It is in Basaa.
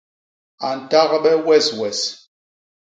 A ntagbe weswes!